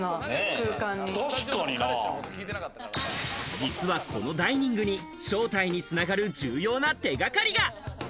実はこのダイニングに正体に繋がる重要な手掛かりが。